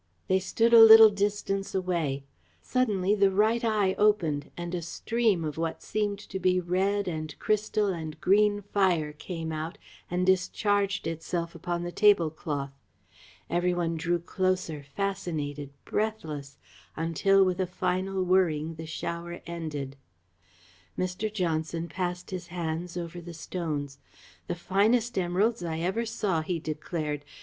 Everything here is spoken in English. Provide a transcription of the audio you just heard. They stood a little distance away. Suddenly the right eye opened and a stream of what seemed to be red and crystal and green fire came out and discharged itself upon the tablecloth. Every one drew closer, fascinated, breathless, until with a final whirring the shower ended. Mr. Johnson passed his hands over the stones. "The finest emeralds I ever saw," he declared.